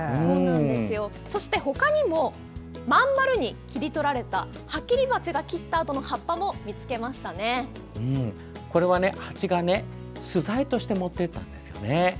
そしてほかにもまん丸に切り取られたハキリバチが切ったあとの葉っぱもハチがね巣材として持っていたんですよね。